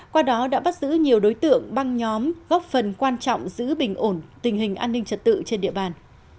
qua đó đã bắt giữ nhiều đối tượng băng nhóm góp phần quan trọng giữ bình ổn tình hình an ninh trật tự trên địa bàn